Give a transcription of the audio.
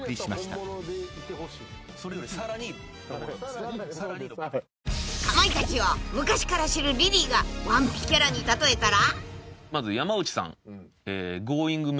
三菱電機［かまいたちを昔から知るリリーがワンピキャラに例えたら？］